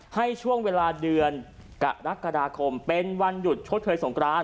ให้ช่วงเวลาเดือนกรกฎาคมเป็นวันหยุดชดเชยสงคราน